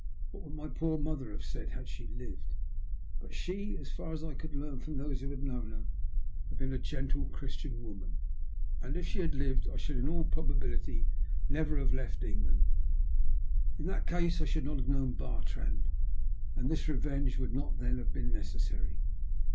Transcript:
W^at would my poor mother have said if she had lived ? But she, as far as I could learn from those who had known her, had been a gentle Christian woman, and if she had lived I should in all probability never have left England. In that case I should not have known Bartrand, and this revenge would then not have been necessary.